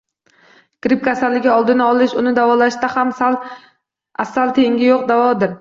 Gripp kasalligi oldini olish, uni davolashda ham asal tengi yo‘q davodir.